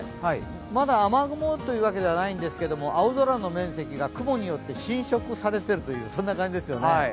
まだ雨雲というわけではないんですけど、青空の面積が雲によって侵食されているという感じです。